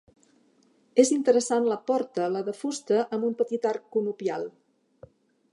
És interessant la porta la de fusta amb un petit arc conopial.